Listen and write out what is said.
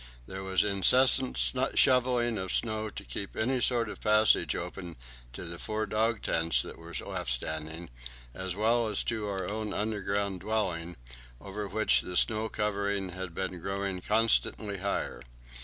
There was incessant shovelling of snow to keep any sort of passage open to the four dog tents that were left standing, as well as to our own underground dwelling, over which the snow covering had been growing constantly higher.